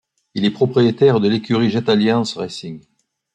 Il est le propriétaire de l'écurie Jetalliance Racing.